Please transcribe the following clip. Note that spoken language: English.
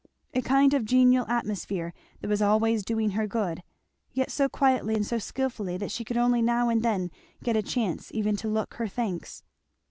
A kind of genial atmosphere, that was always doing her good, yet so quietly and so skilfully that she could only now and then get a chance even to look her thanks.